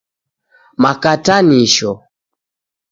Makatanisho